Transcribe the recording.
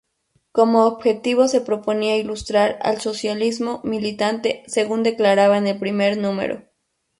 Como objetivo se proponía "ilustrar al socialismo militante", según declaraba en el primer número.